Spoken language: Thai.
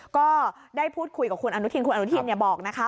ก็ได้พูดคุยกับคุณอนุทินคุณอนุทินบอกนะคะ